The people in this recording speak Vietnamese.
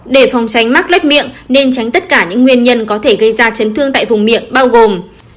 để phòng tránh mắc lách miệng nên tránh tất cả những nguyên nhân có thể gây ra chấn thương tại vùng miệng bao gồm